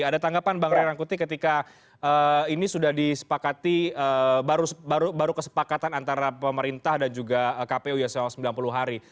ada tanggapan bang ray rangkuti ketika ini sudah disepakati baru kesepakatan antara pemerintah dan juga kpu ya selama sembilan puluh hari